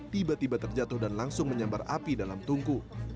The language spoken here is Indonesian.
tiba tiba terjatuh dan langsung menyambar api dalam tungku